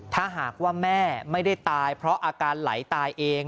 ถ้าหากว่าแม่ไม่ได้ตายเพราะอาการไหลตายเอง